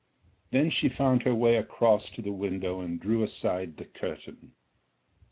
Then she found her way across to the window and drew aside the curtain.